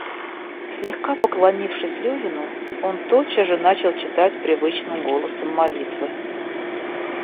Слегка поклонившись Левину, он тотчас же начал читать привычным голосом молитвы.